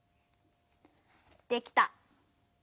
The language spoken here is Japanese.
できた。